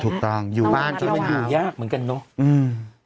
ถูกต้องอยู่บ้านที่มันอยู่ยากเหมือนกันเนอะอืม